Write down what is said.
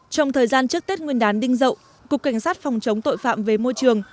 trong thời gian trước tết nguyên đán đinh rậu cục cảnh sát phòng chống tội phạm về môi trường